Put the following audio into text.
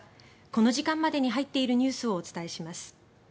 この時間までに入っているニュースをお伝えします。